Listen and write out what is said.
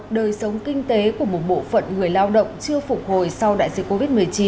đời sống kinh tế của một bộ phận người lao động chưa phục hồi sau đại dịch covid một mươi chín